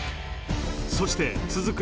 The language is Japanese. そして続く